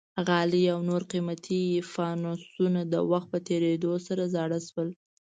غالۍ او نور قیمتي فانوسونه د وخت په تېرېدو سره زاړه شول.